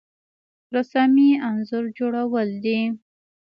رسامي انځور جوړول دي